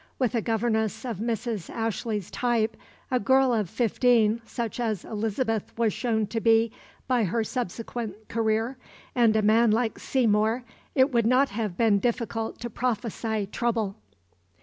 With a governess of Mrs. Ashley's type, a girl of fifteen such as Elizabeth was shown to be by her subsequent career, and a man like Seymour, it would not have been difficult to prophesy trouble.